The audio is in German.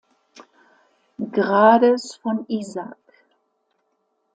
Grades von Isaak.